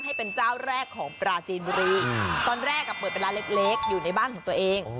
ให้เป็นเจ้าแรกของปราจีนบุรีตอนแรกเปิดเป็นร้านเล็กอยู่ในบ้านของตัวเอง